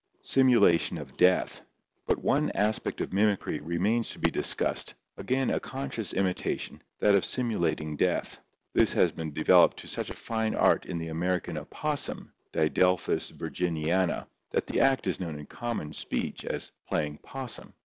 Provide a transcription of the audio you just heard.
Simulation of Death. — But one aspect of mimicry remains to be discussed, again a conscious imitation, that of simulating death. This has been developed to such a fine art in the American opossum (Diddphis virginiana) that the act is known in common speech as "playing 'possum."